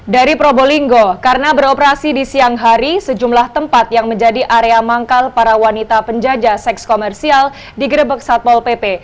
dari probolinggo karena beroperasi di siang hari sejumlah tempat yang menjadi area manggal para wanita penjajah seks komersial digrebek satpol pp